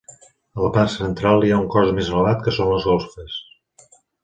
A la part central hi ha un cos més elevat que són les golfes.